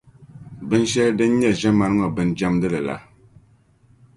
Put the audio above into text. binshɛli din nyɛ ʒiɛmani ŋɔ bin’ jɛmdili la.